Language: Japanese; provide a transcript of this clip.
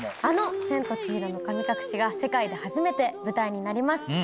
あの『千と千尋の神隠し』が世界で初めて舞台になります。